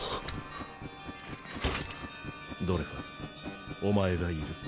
ドレファスお前がいる。